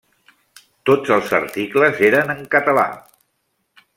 Tots els articles eren en català.